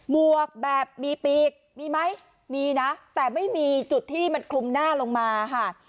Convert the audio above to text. วกแบบมีปีกมีไหมมีนะแต่ไม่มีจุดที่มันคลุมหน้าลงมาค่ะ